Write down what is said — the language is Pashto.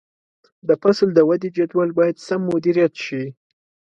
د فصل د ودې جدول باید سم مدیریت شي.